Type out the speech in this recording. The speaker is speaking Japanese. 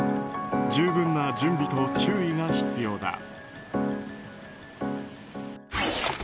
十分な準備と注意が必要だ。